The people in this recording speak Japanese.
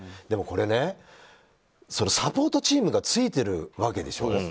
でもこれね、サポートチームがついてるわけでしょ。